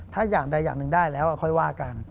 ถ้าอย่างใดอย่างหนึ่งได้แล้วค่อยว่ากัน